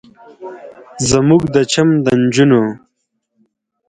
زموږ د چم د نجونو